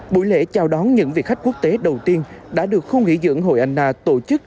buổi lễ chào đón những vị khách quốc tế đầu tiên đã được khu nghỉ dưỡng hội anna tổ chức